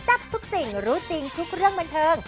ทับทุกสิ่งรู้จริงทุกเรื่องบันเทิง